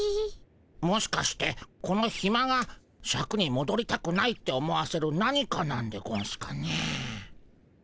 もしかしてこのヒマがシャクにもどりたくないって思わせる何かなんでゴンスかね？